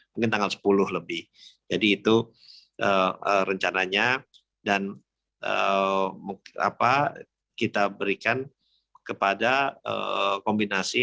mungkin tanggal sepuluh lebih jadi itu rencananya dan kita berikan kepada kombinasi